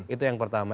itu yang pertama